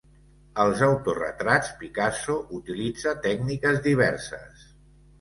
Als autoretrats, Picasso utilitza tècniques diverses.